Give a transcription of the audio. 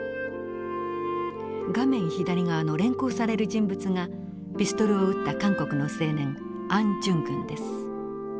画面左側の連行される人物がピストルを撃った韓国の青年アン・ジュングンです。